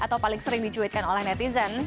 atau paling sering dicuitkan oleh netizen